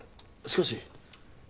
しかし。